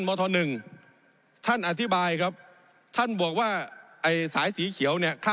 ผมอภิปรายเรื่องการขยายสมภาษณ์รถไฟฟ้าสายสีเขียวนะครับ